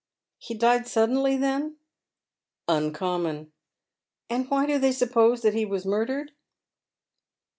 He died suddenly, then ?"" Uncommon." " And why do they suppose that he was murdered